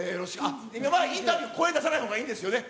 インタビュー、声、出さないほうがいいんですよね。